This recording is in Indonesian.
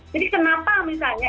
jadi kenapa misalnya